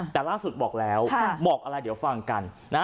แต่ล่าสุดบอกแล้วบอกอะไรเดี๋ยวฟังกันนะ